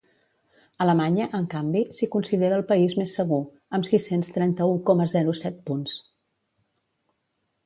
Alemanya, en canvi, s’hi considera el país més segur, amb sis-cents trenta-u coma zero set punts.